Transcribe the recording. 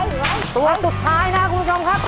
อีกสองตัวครับสองนาทีนะคะไปไปไป